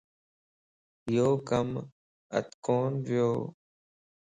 يو ڪم ات ڪون ويو